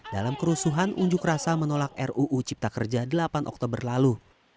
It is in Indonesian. dalam kerusuhan unjuk rasa menolak ruu cipta kerja delapan oktober lalu